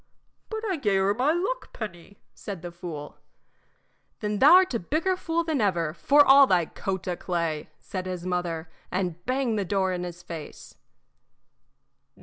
"But I gave her my luck penny," said the fool. "Then thou 'rt a bigger fool than ever, for all thy coat o' clay!" said his mother, and banged the door in his face.